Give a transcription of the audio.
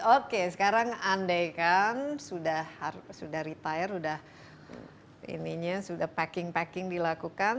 oke sekarang andaikan sudah retire sudah packing packing dilakukan